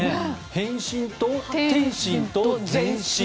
変身と点心と全身。